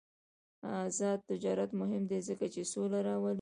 آزاد تجارت مهم دی ځکه چې سوله راولي.